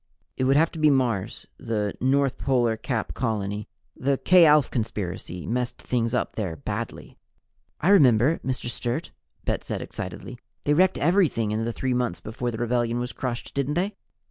"It would have to be Mars, the North Polar Cap colony. The K Alph Conspiracy messed things up there badly." "I remember, Mr. Sturt!" Bet said excitedly. "They wrecked everything in the three months before the rebellion was crushed, didn't they?"